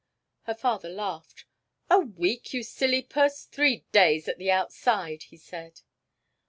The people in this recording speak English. Her father laughed. "A week, you silly puss! Three days, at the outside," he said.